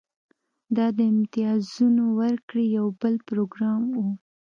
دا د امتیازونو ورکړې یو بل پروګرام و